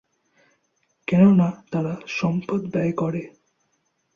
কেননা তারা সম্পদ ব্যয় করে।